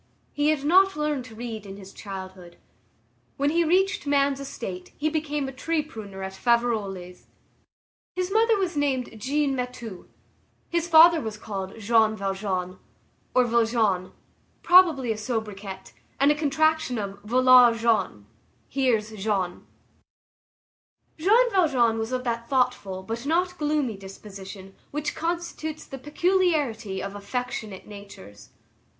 He had not learned to read in his childhood. When he reached man's estate, he became a tree pruner at Faverolles. His mother was named Jeanne Mathieu; his father was called Jean Valjean or Vlajean, probably a sobriquet, and a contraction of voilà Jean, "here's Jean." Jean Valjean was of that thoughtful but not gloomy disposition which constitutes the peculiarity of affectionate natures.